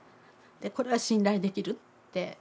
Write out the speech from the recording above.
これは信頼できるって。